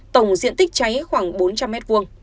tổng diện tích cháy khoảng bốn trăm linh m hai